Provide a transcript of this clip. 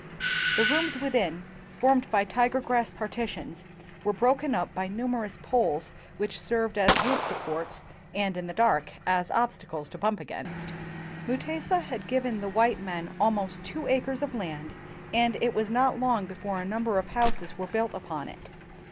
The rooms within, formed by tiger grass partitions, were broken up by numerous poles which served as roof supports, and in the dark as obsta cles to bump against. Mutesa had given the white men almost two acres of land, and it was not long before a number of houses were built upon it.